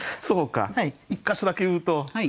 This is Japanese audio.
そうか１か所だけ言うと。